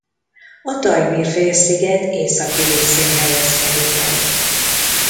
A Tajmir-félsziget északi részén helyezkedik el.